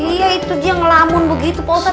iya itu dia ngelamun begitu pak ustaz